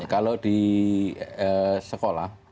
kalau di sekolah